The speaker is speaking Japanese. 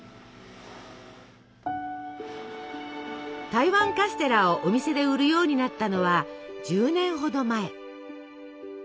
台湾カステラをお店で売るようになったのは１０年ほど前。